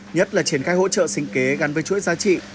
nhất là triển khai hỗ trợ sinh kế gắn với chuỗi giá trị